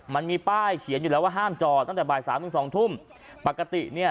มันมีป้ายเขียนอยู่แล้วว่าห้ามจอดตั้งแต่บ่ายสามถึงสองทุ่มปกติเนี่ย